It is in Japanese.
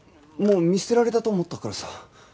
もう見捨てられたと思ったからさ。